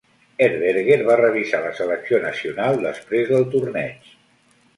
Herberger va revisar la selecció nacional després del torneig.